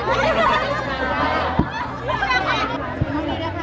สวัสดีครับ